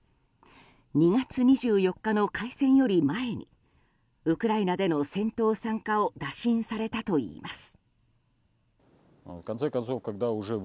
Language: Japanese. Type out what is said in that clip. ２月２４日の開戦より前にウクライナでの戦闘参加を打診されたといいます。